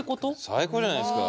最高じゃないですか。